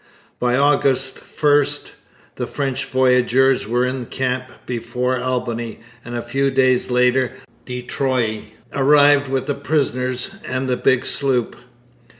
By August 1 the French voyageurs were in camp before Albany, and a few days later de Troyes arrived with the prisoners and the big sloop.